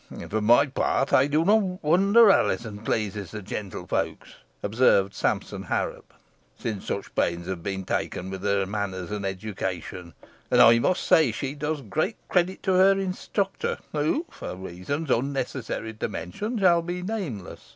"For my part I do not wonder Alizon pleases the gentle folks," observed Sampson Harrop, "since such pains have been taken with her manners and education; and I must say she does great credit to her instructor, who, for reasons unnecessary to mention, shall be nameless.